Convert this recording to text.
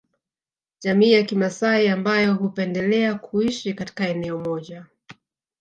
Jamii ya kimasai ambayo hupendelea kuishi katika eneo moja